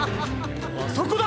あそこだ！